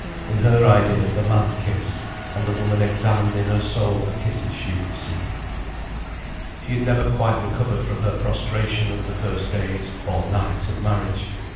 In her idea, the man kissed, and the woman examined in her soul the kisses she had received. She had never quite recovered from her prostration of the first days, or nights, of marriage.